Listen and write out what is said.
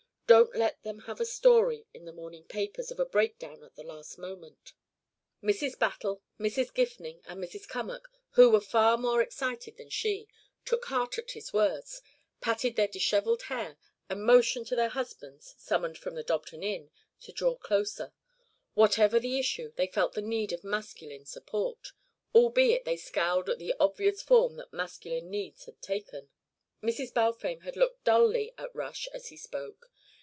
Don't let them have a story in the morning papers of a breakdown at the last moment." Mrs. Battle, Mrs. Gifning and Mrs. Cummack, who were far more excited than she, took heart at his words, patted their dishevelled hair and motioned to their husbands, summoned from the Dobton Inn, to draw closer. Whatever the issue, they felt the need of masculine support, albeit they scowled at the obvious form that masculine needs had taken. Mrs. Balfame had looked dully at Rush as he spoke.